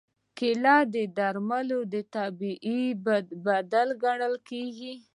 کېله د درملو طبیعي بدیل ګڼل کېږي.